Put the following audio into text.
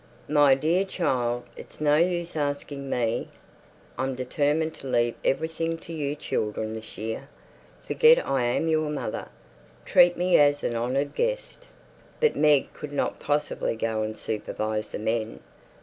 "My dear child, it's no use asking me. I'm determined to leave everything to you children this year. Forget I am your mother. Treat me as an honoured guest." But Meg could not possibly go and supervise the men.